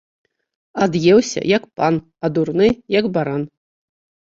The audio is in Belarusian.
Ад'еўся як пан, а дурны, як баран